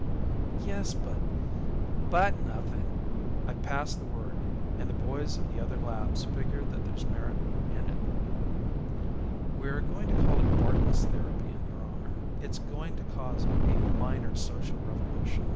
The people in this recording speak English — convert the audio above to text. "Yes, but " "But, nothing! I've passed the word and the boys in the other labs figure that there's merit in it. We're going to call it Barton's Therapy in your honor. It's going to cause a minor social revolution.